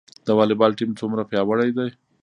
د والیبال ټیم څومره پیاوړی دی؟